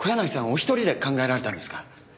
お一人で考えられたんですか？